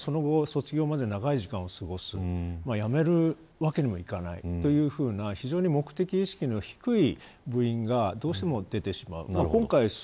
それでその後、卒業まで長い時間を過ごすわけで辞めるわけにもいかないという非常に目的意識の低い部員がどうしても出てきてしまいます。